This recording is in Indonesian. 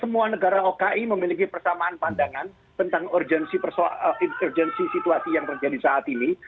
semua negara oki memiliki persamaan pandangan tentang urgensi situasi yang terjadi saat ini